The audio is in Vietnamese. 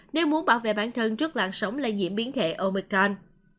nếu muốn bảo vệ bản thân trước lạng sống lây diễm biến thể omicron